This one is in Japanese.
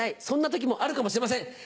そんな時もあるかもしれません。